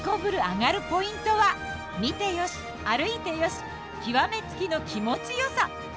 アガるポイントは見てよし歩いてよし極めつきの気持ちよさ。